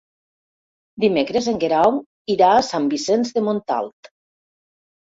Dimecres en Guerau irà a Sant Vicenç de Montalt.